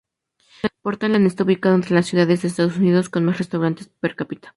Portland está ubicada entre las ciudades de Estados Unidos con más restaurantes per cápita.